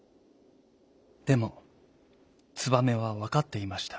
でもツバメはわかっていました。